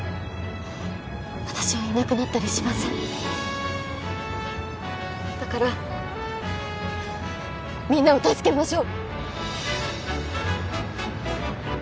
私はいなくなったりしませんだからみんなを助けましょう！